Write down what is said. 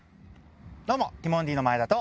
どうもティモンディの前田と。